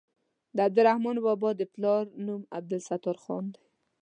د عبدالرحمان بابا د پلار نوم عبدالستار خان دی.